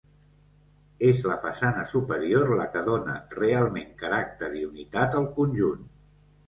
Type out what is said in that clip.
És la façana superior la que dóna realment caràcter i unitat al conjunt.